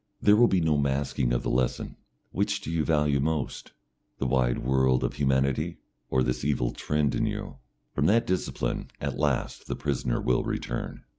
There will be no masking of the lesson; "which do you value most, the wide world of humanity, or this evil trend in you?" From that discipline at last the prisoners will return.